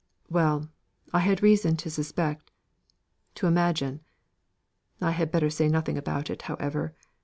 Well; I had reason to suspect to imagine I had better say nothing about it, however.